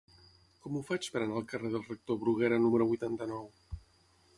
Com ho faig per anar al carrer del Rector Bruguera número vuitanta-nou?